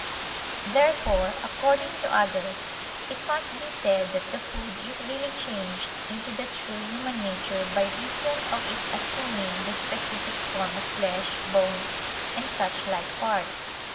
Therefore, according to others, it must be said that the food is really changed into the true human nature by reason of its assuming the specific form of flesh, bones and such like parts.